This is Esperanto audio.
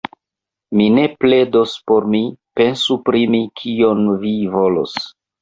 Mi ne pledos por mi; pensu pri mi, kion vi volos.